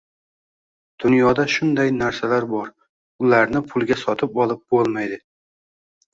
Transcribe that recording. Dunyoda shunday narsalar bor, ularni pulga sotib olib bo‘lmaydi.